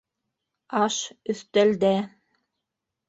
- Аш... өҫтәлдә.